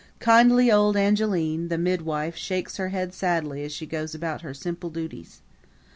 Kindly old Angeline, the midwife, shakes her head sadly as she goes about her simple duties.